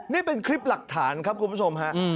นี่เป็นคลิปหลักฐานครับคุณผู้ชมฮะ